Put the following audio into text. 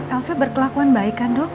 elsa berkelakuan baik kan dok